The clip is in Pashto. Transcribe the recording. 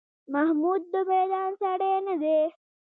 محمود د میدان سړی نه دی.